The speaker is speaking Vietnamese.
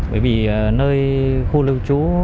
bởi vì nơi khu lưu trú